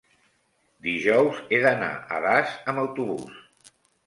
dijous he d'anar a Das amb autobús.